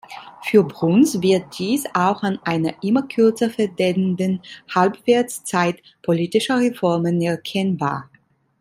Für Bruns wird dies auch an einer immer kürzer werdenden Halbwertszeit politischer Reformen erkennbar.